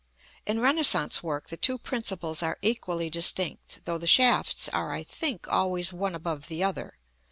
In Renaissance work the two principles are equally distinct, though the shafts are (I think) always one above the other.